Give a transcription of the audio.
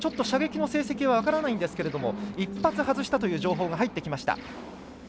射撃の成績は分からないんですが１発外したという情報が入ってきました。